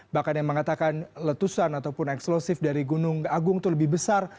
bahkan yang mengatakan letusan ataupun eksplosif dari gunung agung itu lebih besar